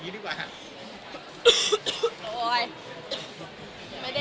คุณคิดยังไงกับฮาตแทกนี้